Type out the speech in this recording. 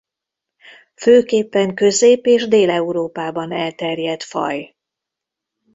Főképpen Közép- és Dél-Európában elterjedt faj.